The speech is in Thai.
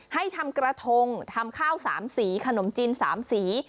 ให้ทำกระทงทำข้าวสามสีขนมจิ้นสามสี